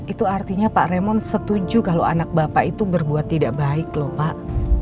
itu artinya pak remon setuju kalau anak bapak itu berbuat tidak baik lho pak